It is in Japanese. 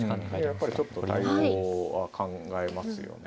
やっぱりちょっと対応は考えますよね。